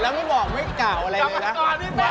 แล้วไม่บอกไม่กล่าวอะไรเลยนะไม่เอาไม่เอาเลย